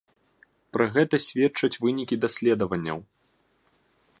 Пра гэта сведчаць вынікі даследаванняў.